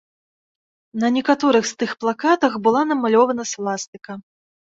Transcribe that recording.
На некаторых з тых плакатах была намалёвана свастыка.